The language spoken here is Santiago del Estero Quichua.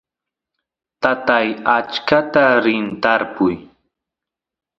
tatay achkata rin tarpuy